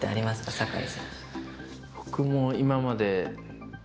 酒井さん。